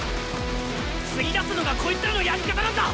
釣り出すのがこいつらのやり方なんだ！